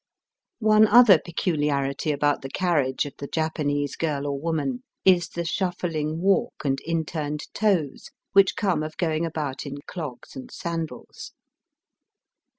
One other peculiarity about the carriage of the Japanese girl or woman is the shuffling walk and inturned toes which come of going about in clogs and sandals.